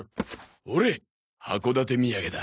ほれ函館土産だ。